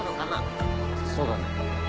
そうだね。